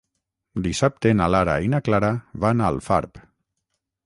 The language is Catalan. Dissabte na Lara i na Clara van a Alfarb.